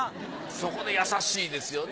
そこで優しいですよね。